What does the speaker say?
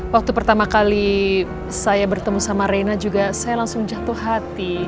waktu pertama kali saya bertemu sama reina juga saya langsung jatuh hati